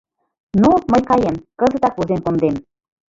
— Ну, мый каем, кызытак возен кондем.